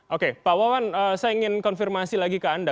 oke pak wawan saya ingin konfirmasi lagi ke anda